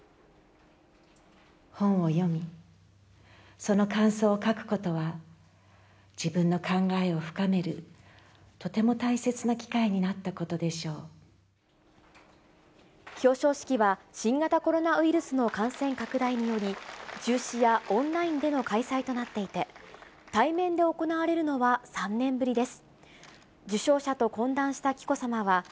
本を読み、その感想を書くことは、自分の考えを深める、とても大切な機会に表彰式は、新型コロナウイルスの感染拡大により、中止やオンラインでの開催となっていて、対面で行われるのは３年ぶりです。